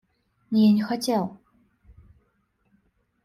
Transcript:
Я не хотел.